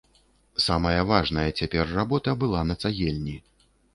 Самая важная цяпер работа была на цагельні.